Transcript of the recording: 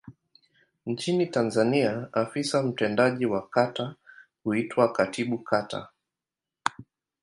Nchini Tanzania afisa mtendaji wa kata huitwa Katibu Kata.